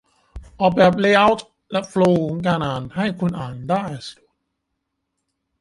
ออกแบบเลย์เอาต์และโฟลว์ของการอ่าน ให้คนอ่านได้สะดวก